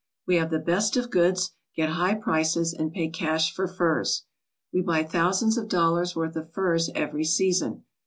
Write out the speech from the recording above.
We have the best of goods, get high prices, and pay cash for furs. We buy thousands of dollars' worth of furs every season.